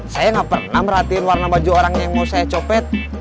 saya nggak pernah merhatiin warna baju orangnya yang mau saya copet